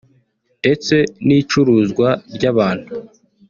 ndetse n’icuruzwa ry’abantu